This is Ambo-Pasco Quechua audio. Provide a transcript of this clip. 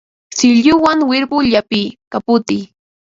Silluwan wirpu llapiy, kaputiy